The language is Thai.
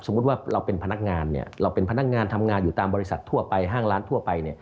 ว่าเราเป็นพนักงานเราเป็นพนักงานทำงานอยู่ตามบริษัททั่วไปห้างร้านทั่วไป